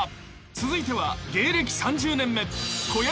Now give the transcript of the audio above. ［続いては芸歴３０年目］